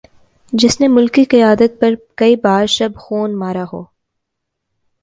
جس نے ملکی قیادت پر کئی بار شب خون مارا ہو